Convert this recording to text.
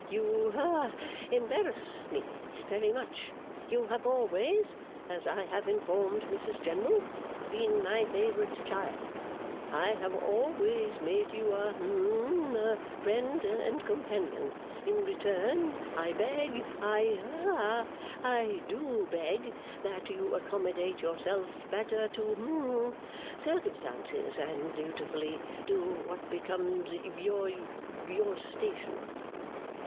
You ha embarrass me very much. You have always (as I have informed Mrs General) been my favourite child; I have always made you a hum a friend and companion; in return, I beg I ha I do beg, that you accommodate yourself better to hum circumstances, and dutifully do what becomes your your station.